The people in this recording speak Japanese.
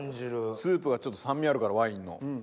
スープがちょっと酸味あるからワインの。